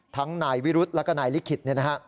ทั้งนายวิรุธและก็นายลิขิต